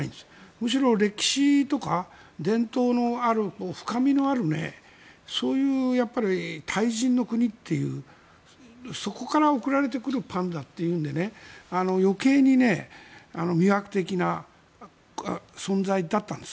むしろ歴史とか伝統のある深みのあるそういう国というそこから送られてくるパンダというので余計に魅惑的な存在だったんです。